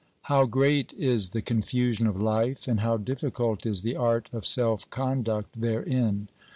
How great is the confusion of life, and how difficult is the art of self conduct therein